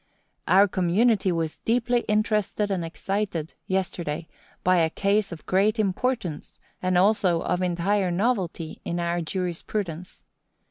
Our community was deeply interested and excited, yesterday, by a case of great importance, and also of entire novelty in our jurisprudence.